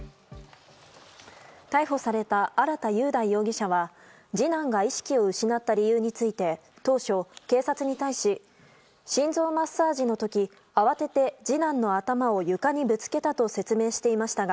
逮捕された荒田佑大容疑者は次男が意識を失った理由について当初、警察に対し心臓マッサージの時慌てて次男の頭を床にぶつけたと説明していましたが